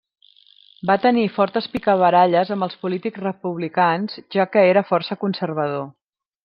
Va tenir fortes picabaralles amb els polítics republicans, ja que era força conservador.